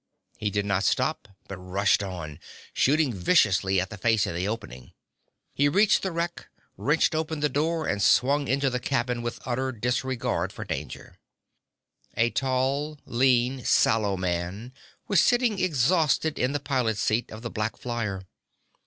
He did not stop, but rushed on, shooting viciously at the face in the opening. He reached the wreck, wrenched open the door, and swung into the cabin with utter disregard for danger. A tall, lean, sallow man was sitting exhausted in the pilot's seat of the black flyer.